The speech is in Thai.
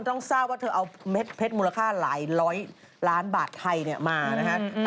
ต้องทราบว่าเธอเอาเพชรมูลค่าหลายร้อยล้านบาทไทยมานะฮะ